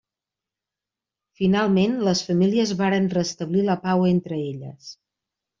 Finalment, les famílies varen restablir la pau entre elles.